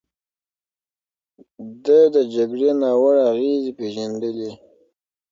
ده د جګړې ناوړه اغېزې پېژندلې.